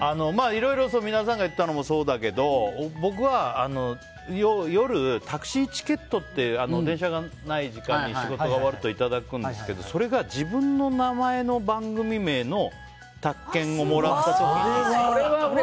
いろいろ、皆さんが言ったのもそうだけど僕は、夜にタクシーチケットって電車がない時間に仕事が終わるといただくんですけどそれが自分の名前の番組名のタク券をもらった時。